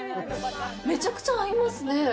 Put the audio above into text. めちゃくちゃ合いますね！